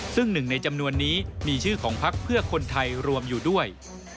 ซึ่งหนึ่งในจำนวนนี้มีชื่อของพักเพื่อคนไทยรวมอยู่ด้วย